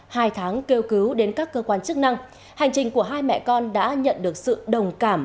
hai tháng kêu cứu đến các cơ quan chức năng hành trình của hai mẹ con đã nhận được sự đồng cảm